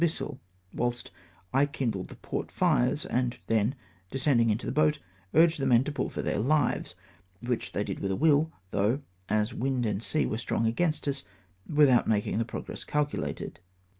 Bissel, whilst I kmdled the port fires ; and then, descending into the boat, urged the men to pull for their Hves, which they did with a will, though, as wind and sea were strong against us, without making the progress calculated.